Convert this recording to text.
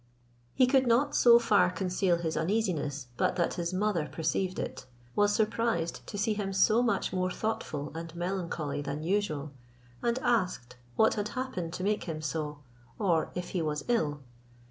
He could not so far conceal his uneasiness but that his mother perceived it, was surprised to see him so much more thoughtful and melancholy than usual; and asked what had happened to make him so, or if he was ill?